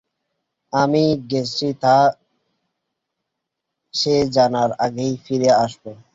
আমি গেছি তা সে জানার আগেই ফিরে আসব।